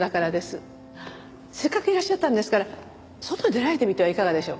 せっかくいらっしゃったんですから外に出られてみてはいかがでしょう？